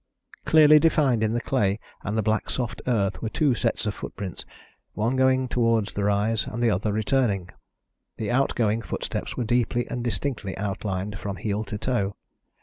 Clearly defined in the clay and the black soft earth were two sets of footprints, one going towards the rise, and the other returning. The outgoing footsteps were deeply and distinctly outlined from heel to toe.